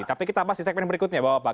tapi kita bahas di segmen berikutnya bapak